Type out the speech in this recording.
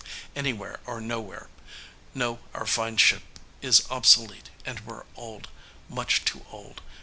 Anywhere or nowhere. No, our fine ship is obsolete and we're old, much too old.